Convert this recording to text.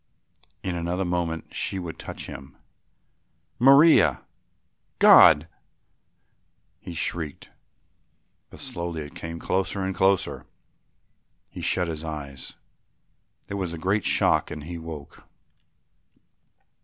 In another moment she would touch him. "Maria! God!" he shrieked, but slowly it came closer and closer. He shut his eyes; there was a great shock and he woke.